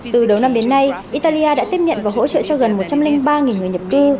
từ đầu năm đến nay italia đã tiếp nhận và hỗ trợ cho gần một trăm linh ba người nhập cư